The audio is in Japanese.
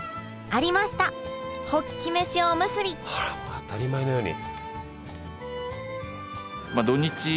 あら当たり前のように。